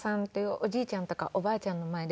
おじいちゃんとかおばあちゃんの前で。